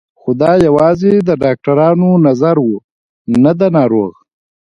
خو دا یوازې د ډاکترانو نظر و نه د ناروغ